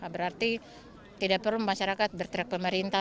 berarti tidak perlu masyarakat berteriak pemerintah